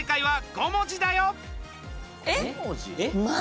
５文字？